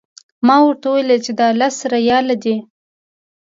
ما ورته وویل چې دا لس ریاله دي.